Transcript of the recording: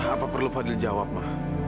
apa perlu fadil jawab ma